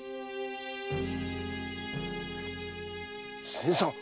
新さん！